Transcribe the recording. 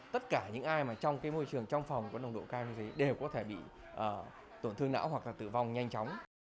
tất cả những ai mà trong môi trường trong phòng có nồng độ cao như thế đều có thể bị tổn thương não hoặc là tử vong nhanh chóng